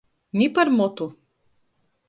Ni par motu.